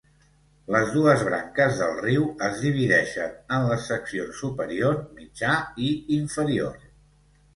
Les dues branques del riu es divideixen en les seccions superior, mitja i inferior.